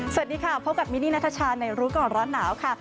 สวัสดีค่ะพบกับมินนี่นัทชาในรู้ก่อนร้อนหนาวค่ะ